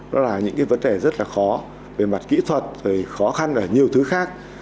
đó là những vấn đề rất khó về mặt kỹ thuật khó khăn và nhiều thứ khác